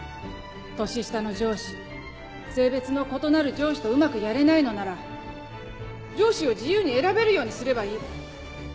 年下の上司性別の異なる上司とうまくやれないのなら上司を自由に選べるようにすればいい。